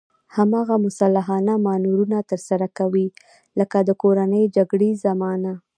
هماغه مسلحانه مانورونه ترسره کوي لکه د کورنۍ جګړې زمانه.